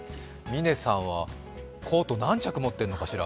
嶺さんはコート何着持ってるのかしら。